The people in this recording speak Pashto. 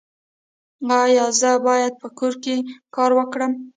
ایا زه باید په کور کې کار وکړم؟